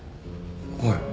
はい